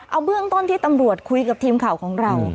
เอาเบื้องต้นที่ตำรวจคุยกับทีมข่าวของเรา